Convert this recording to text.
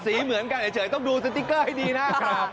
เหมือนกันเฉยต้องดูสติ๊กเกอร์ให้ดีนะครับ